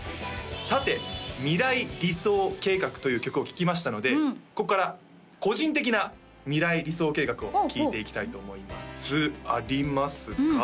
さて「未来理想計画」という曲を聴きましたのでこっから個人的な未来理想計画を聞いていきたいと思いますありますか？